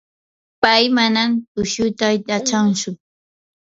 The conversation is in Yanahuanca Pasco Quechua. pay manam tushuyta yachantsu.